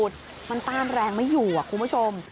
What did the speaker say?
จะป้ามแรงไม่อยู่ครับคุณผู้ชม